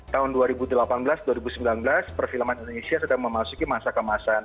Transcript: tahun dua ribu delapan belas dua ribu sembilan belas perfilman indonesia sedang memasuki masa kemasan